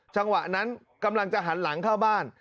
จังหวะนั้นกำลังจะหันหลังเข้าบ้าน